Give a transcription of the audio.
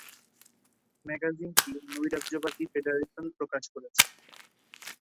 ম্যাগাজিনটি নৈরাজ্যবাদী ফেডারেশন প্রকাশ করেছে।